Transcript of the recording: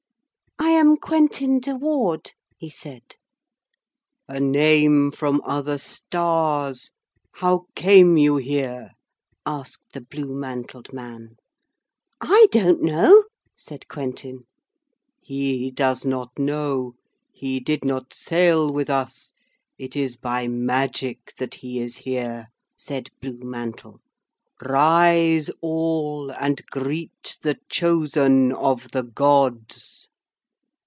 'I am Quentin de Ward,' he said. 'A name from other stars! How came you here?' asked the blue mantled man. 'I don't know,' said Quentin. 'He does not know. He did not sail with us. It is by magic that he is here,' said Blue Mantle. 'Rise, all, and greet the Chosen of the Gods.'